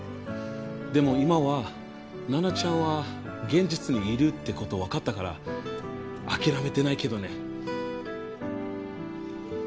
でも今はナナちゃんは現実にいるってこと分かったから諦めてないけどね。